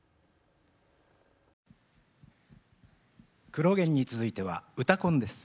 「クロ現」に続いては「うたコン」です。